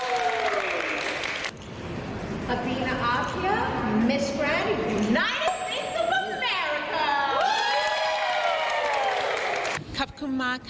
ขอขอเจอภูมิหว่ายาก